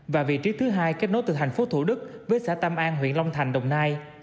và vị trí thứ hai kết nối từ thành phố thủ đức với xã tam an huyện long thành đồng nai